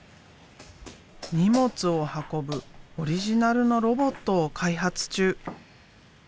荷物を運ぶオリジナルのロボットを開発中。